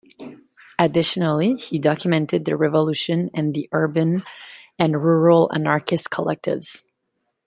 Additionally, he documented the revolution and the urban and rural anarchist collectives.